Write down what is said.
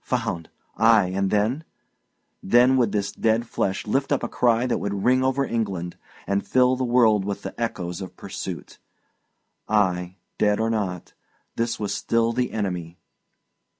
Found! ay, and then? Then would this dead flesh lift up a cry that would ring over England, and fill the world with the echoes of pursuit. Ay, dead or not, this was still the enemy.